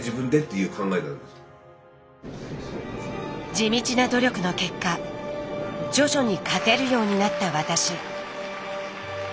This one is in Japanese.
地道な努力の結果徐々に勝てるようになった私。